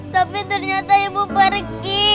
tapi ternyata ibu pergi